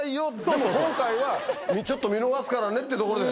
でも今回はちょっと見逃すからねってところで